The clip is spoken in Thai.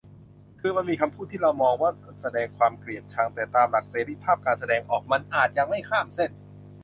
คือมันมีคำพูดที่เรามองว่าแสดงความเกลียดชัง แต่ตามหลักเสรีภาพการแสดงออกมันอาจยังไม่ข้ามเส้น